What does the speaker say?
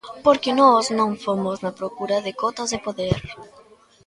Porque nós non fomos na procura de cotas de poder.